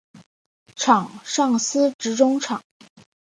场上司职中场。